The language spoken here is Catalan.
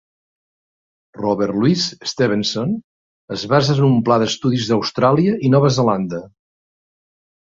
Robert Louis Stevenson es basa en un pla d'estudis d'Austràlia i Nova Zelanda.